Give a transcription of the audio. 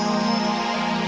apa ini mel portugal